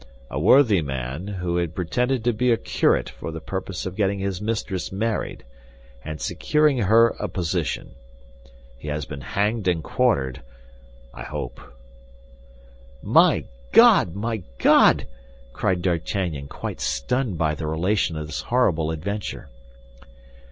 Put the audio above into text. A worthy man, who had pretended to be a curate for the purpose of getting his mistress married, and securing her a position. He has been hanged and quartered, I hope." "My God, my God!" cried D'Artagnan, quite stunned by the relation of this horrible adventure.